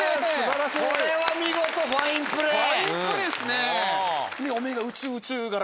これは見事ファインプレー。